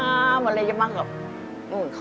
รายการต่อไปนี้เป็นรายการทั่วไปสามารถรับชมได้ทุกวัย